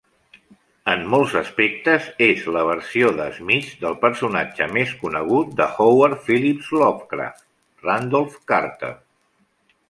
En molts aspectes, és la versió de Smith del personatge més conegut d'H. P. Lovecraft Randolph Carter.